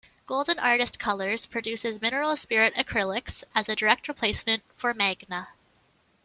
Golden Artist Colors produces Mineral Spirit Acrylics as a direct replacement for Magna.